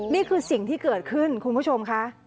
นี่คือสิ่งที่เกิดขึ้นคุณผู้ชมค่ะ